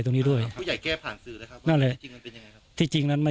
ตรงนี้ด้วยผู้ใหญ่แก้ผ่านสื่อเลยครับนั่นแหละที่จริงนั้นไม่